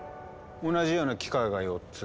同じような機械が４つ。